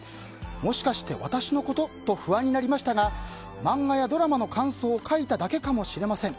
もしかして私のこと？と不安になりましたが漫画やドラマの感想を書いただけかもしれません。